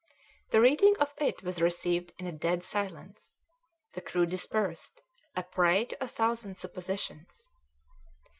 The reading of it was received in a dead silence; the crew dispersed, a prey to a thousand suppositions.